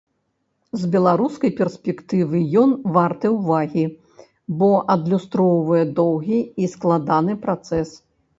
З беларускай перспектывы ён варты ўвагі, бо адлюстроўвае доўгі і складаны працэс.